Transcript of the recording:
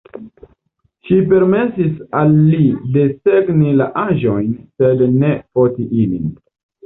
Ŝi permesis al li desegni la aĵojn, sed ne foti ilin.